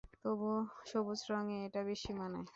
তবে সবুজ রঙে এটা বেশি মানায়।